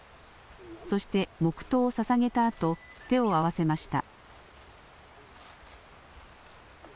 そして、黙とうをささげたあと、手を合わせました。